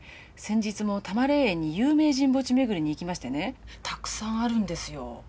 先日も多磨霊園に有名人墓地巡りに行きましてねたくさんあるんですよ。